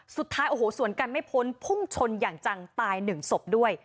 สุดท้ายโอ้โหสวนกันไม่พ้นพุ่งชนอย่างจังตายหนึ่งศพด้วย